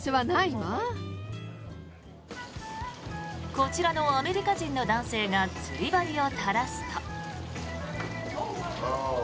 こちらのアメリカ人の男性が釣り針を垂らすと。